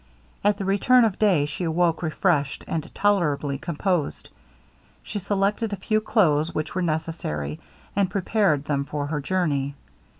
At the return of day she awoke refreshed, and tolerably composed. She selected a few clothes which were necessary, and prepared them for her journey.